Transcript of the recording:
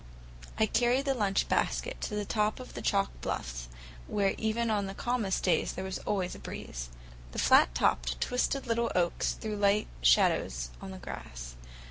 I carried the lunch basket to the top of one of the chalk bluffs, where even on the calmest days there was always a breeze. The flat topped, twisted little oaks threw light shadows on the grass.